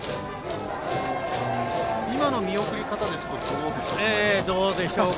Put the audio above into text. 今の見送り方ですとどうでしょう。